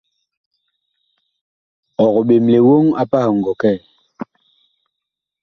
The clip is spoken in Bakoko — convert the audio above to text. Ɔg ɓemle woŋ pah ɔ ngɔ kɛ?